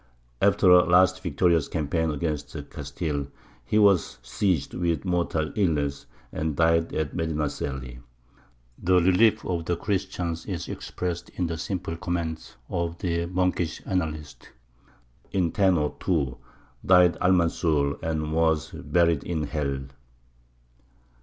After a last victorious campaign against Castile, he was seized with mortal illness, and died at Medinaceli. The relief of the Christians is expressed in the simple comment of the monkish annalist: "In 1002 died Almanzor, and was buried in hell."